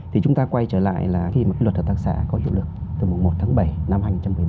thì chúng ta quay trở lại là khi mà cái luật hợp tác xã có hiệu lực từ một tháng bảy năm hai nghìn một mươi ba